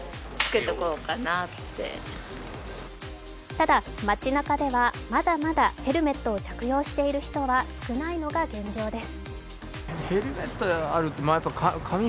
ただ、街なかではまだまだヘルメットを着用している人は少ないのが現状です。